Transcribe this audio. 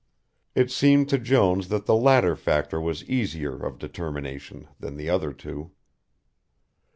It seemed to Jones that the latter factor was easier of determination than the other two.